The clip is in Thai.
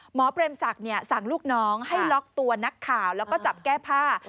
เปรมศักดิ์สั่งลูกน้องให้ล็อกตัวนักข่าวแล้วก็จับแก้ผ้า